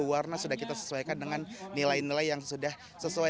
warna sudah kita sesuaikan dengan nilai nilai yang sudah sesuai